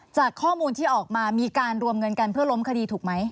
จากข้อมูลที่ออกมามีการรวมเงินกันเพื่อล้มคดีถูกไหม